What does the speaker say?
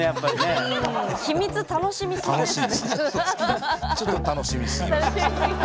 ちょっと楽しみすぎました。